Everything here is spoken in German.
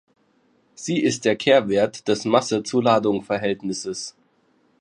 Sie ist der Kehrwert des Masse-zu-Ladung-Verhältnisses.